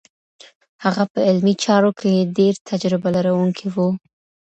هغه په علمي چارو کې ډېر تجربه لرونکی و.